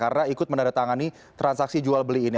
untuk menandatangani transaksi jual beli ini